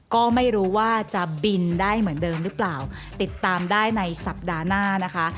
ก็ไม่รู้ว่าจะบินได้เหมือนเดิมหรือเปล่าติดตามได้ในสัปดาห์หน้านะคะ